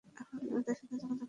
এখনই ওদের সাথে যোগাযোগ করছি।